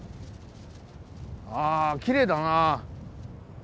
あきれいだな。